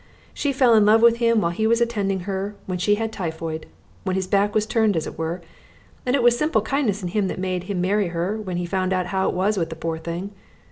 She fell in love with him while he was attending her when she had typhoid, when his back was turned as it were, and it was simple kindness in him that made him marry her when he found out how it was with the poor thing.